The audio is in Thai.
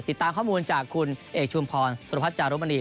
ติดตามข้อมูลจากคุณเอกชุมพรสุรพัฒนจารุมณี